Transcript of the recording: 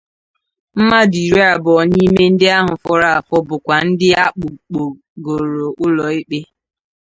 Mmadụ iri abụọ n'ime ndị ahụ fọrọ afọ bụkwa ndị a kpụpụgoro ụlọikpe